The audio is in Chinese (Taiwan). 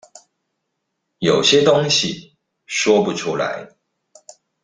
有些東西說不出來